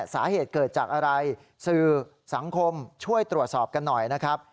สาเหตุเกิดจากอะไรสื่อสังคมช่วยตรวจสอบกันหน่อยนะครับ